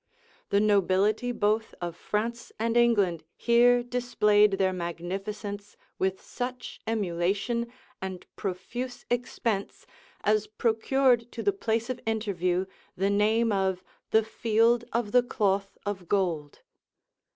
The nobility both of France and England here displayed their magnificence with such emulation and profuse expense, as procured to the place of interview the name of "the field of the cloth of gold."